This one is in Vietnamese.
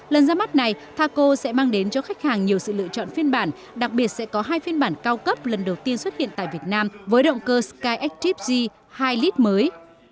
lần ra mắt này taco sẽ mang đến cho khách hàng nhiều sự lựa chọn phiên bản đặc biệt sẽ có hai phiên bản cao cấp lần đầu tiên xuất hiện tại việt nam với động cơ skyactiv g hai lit mới